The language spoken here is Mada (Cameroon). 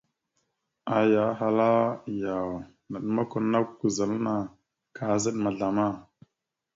Aya ahala: « Yaw, naɗmakw a nakw zal anna, kaazaɗ ma zlama? ».